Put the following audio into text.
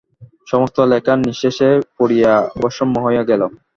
সমস্ত লেখা নিঃশেষে পুড়িয়া ভস্ম হইয়া গেল।